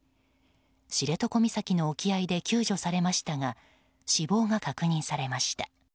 知床岬の沖合で救助されましたが死亡が確認されました。